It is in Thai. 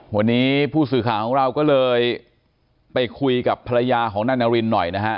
วันนี้ผู้สื่อข่าวของเราก็เลยไปคุยกับภรรยาของนายนารินหน่อยนะฮะ